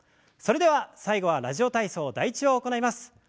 それでは最後は「ラジオ体操第１」を行います。